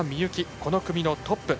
この組トップ。